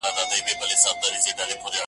دغه زما توپاني قام دی .